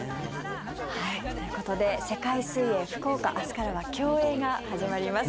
ということで世界水泳福岡明日からは競泳が始まります。